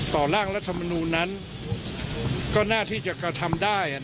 ร่างรัฐมนูลนั้นก็น่าที่จะกระทำได้